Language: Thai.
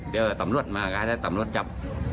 เดี๋ยวตำรวจมาก็ให้ตำรวจจับ